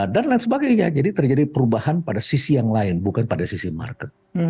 dan lain sebagainya jadi terjadi perubahan pada sisi yang lain bukan pada sisi market